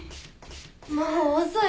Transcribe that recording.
もう遅い。